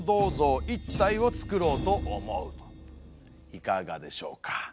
いかがでしょうか？